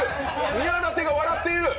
宮舘が笑っている。